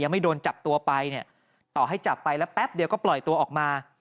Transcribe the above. ไม่โดนจับตัวไปเนี่ยต่อให้จับไปแล้วแป๊บเดียวก็ปล่อยตัวออกมา